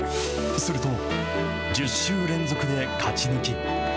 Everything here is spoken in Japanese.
すると、１０週連続で勝ち抜き。